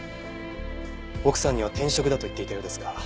奥さんには転職だと言っていたようですが。